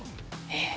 えっ。